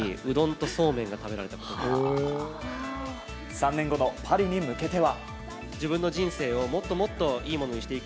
３年後のパリに向けては。